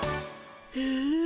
へえ。